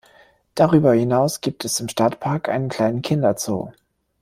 Darüber hinaus gibt es im Stadtpark einen kleinen Kinderzoo.